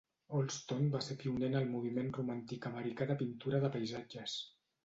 Allston va ser pioner en el moviment romàntic americà de pintura de paisatges.